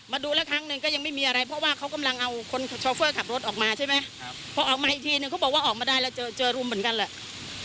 มาดูแล้วครั้งหนึ่งก็ยังไม่มีอะไรเพราะว่าเขากำลังเอาคนโชเฟอร์ขับรถออกมาใช่ไหมพอออกมาอีกทีนึงเขาบอกว่าออกมาได้แล้วเจอเจอรุมเหมือนกันแหละ